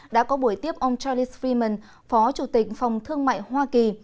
đã có buổi tiếp ông charles freeman phó chủ tịch phòng thương mại hoa kỳ